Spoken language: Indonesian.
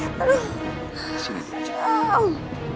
di sini dia jeng